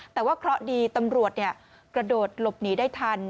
แต่ว่าเคราะห์ดีตำรวจกระโดดหลบหนีได้ทัน